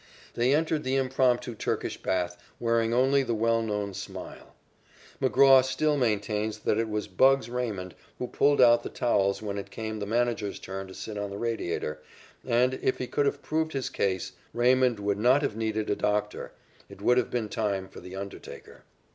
They entered the impromptu Turkish bath, wearing only the well known smile. McGraw still maintains that it was "Bugs" Raymond who pulled out the towels when it came the manager's turn to sit on the radiator, and, if he could have proved his case, Raymond would not have needed a doctor. It would have been time for the undertaker.